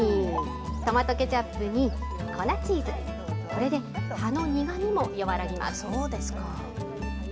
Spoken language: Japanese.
トマトケチャップに粉チーズ、これで葉の苦みも和らぎます。